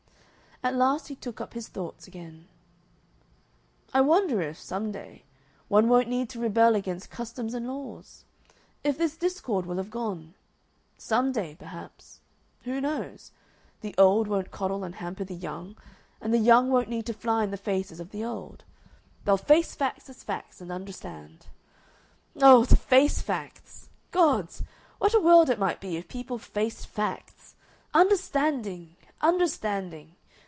At last he took up his thoughts again: "I wonder if, some day, one won't need to rebel against customs and laws? If this discord will have gone? Some day, perhaps who knows? the old won't coddle and hamper the young, and the young won't need to fly in the faces of the old. They'll face facts as facts, and understand. Oh, to face facts! Gods! what a world it might be if people faced facts! Understanding! Understanding!